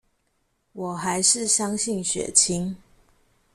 我還是相信血親